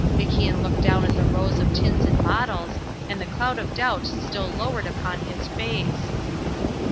MacIan looked down at the rows of tins and bottles, and the cloud of doubt still lowered upon his face.